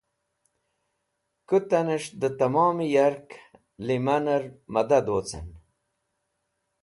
Kũtanẽs̃h dẽ tẽmom yark lemanẽr mẽdad wocẽn.